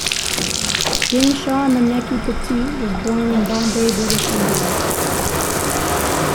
Dinshaw Maneckji Petit was born in Bombay, British India.